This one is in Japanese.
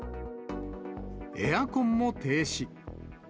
エアコンも停止。